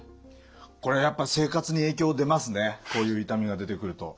これやっぱ生活に影響出ますねこういう痛みが出てくると。